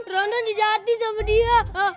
ronon jadi sama dia